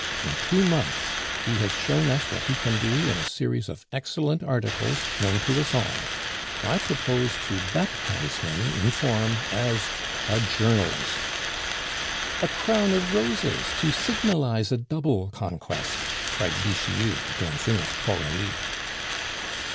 In two months he has shown us what he can do in a series of excellent articles known to us all. I propose to baptize him in form as a journalist." "A crown of roses! to signalize a double conquest," cried Bixiou, glancing at Coralie.